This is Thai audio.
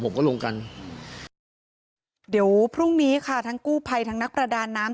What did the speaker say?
ผมก็ลงกันเดี๋ยวพรุ่งนี้ค่ะทั้งกู้ภัยทั้งนักประดาน้ำ